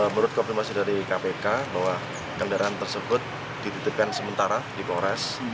menurut konfirmasi dari kpk bahwa kendaraan tersebut dititipkan sementara di polres